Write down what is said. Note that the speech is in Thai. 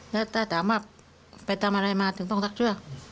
แล้วถ้าถามว่าไปทำอะไรมาถึงต้องทักเชือก